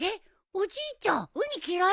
おじいちゃんウニ嫌いなの？